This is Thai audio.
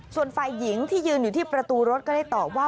ส่วนฝ่ายหญิงที่ยืนอยู่ที่ประตูรถก็ได้ตอบว่า